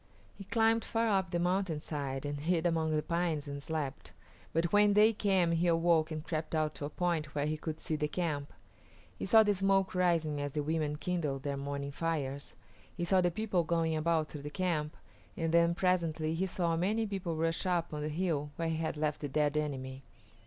He climbed far up the mountainside and hid among the pines and slept, but when day came he awoke and crept out to a point where he could see the camp. He saw the smoke rising as the women kindled their morning fires; he saw the people going about through the camp, and then presently he saw many people rush up on the hill where he had left the dead enemy.